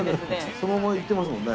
そのまま行ってますもんね。